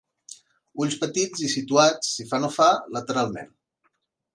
Ulls petits i situats, si fa no fa, lateralment.